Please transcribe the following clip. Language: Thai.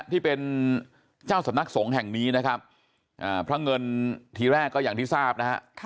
ที่เป็นเจ้าสำนักสงฆ์แห่งนี้นะครับพระเงินทีแรกก็อย่างที่ทราบนะฮะ